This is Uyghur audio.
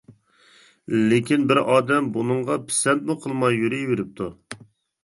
لېكىن بىر ئادەم بۇنىڭغا پىسەنتمۇ قىلماي يۈرۈۋېرىپتۇ.